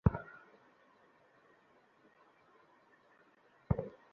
Matthew, তোমার ক্যালকুলেশনের result কী?